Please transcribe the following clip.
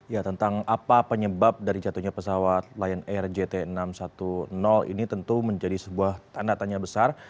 ya tentang apa penyebab dari jatuhnya pesawat lion air jt enam ratus sepuluh ini tentu menjadi sebuah tanda tanya besar